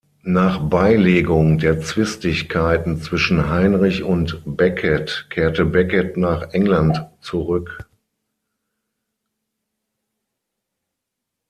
Nach Beilegung der Zwistigkeiten zwischen Heinrich und Becket kehrte Becket nach England zurück.